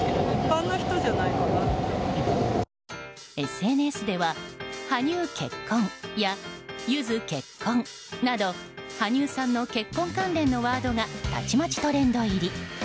ＳＮＳでは羽生結婚やゆづ結婚など羽生さんの結婚関連のワードがたちまちトレンド入り。